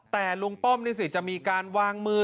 แต่ลุงป้อมนี่สิจะมีการวางมือ